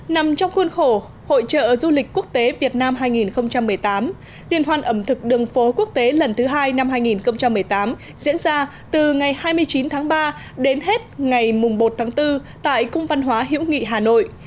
nằm trong khuôn khổ hội trợ du lịch quốc tế việt nam hai nghìn một mươi tám liên hoan ẩm thực đường phố quốc tế lần thứ hai năm hai nghìn một mươi tám diễn ra từ ngày hai mươi chín tháng ba đến hết ngày một tháng bốn tại cung văn hóa hiễu nghị hà nội